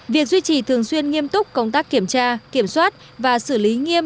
việc duy trì thường xuyên nghiêm túc công tác kiểm tra kiểm soát và xử lý nghiêm